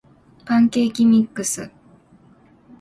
パンケーキミックス